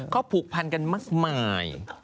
เขาผูกพันกันมากมาย